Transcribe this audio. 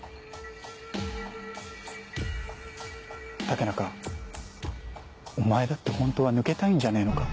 竹中お前だってホントは抜けたいんじゃねえのか？